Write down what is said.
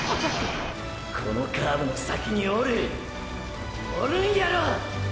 このカーブの先におるおるんやろ。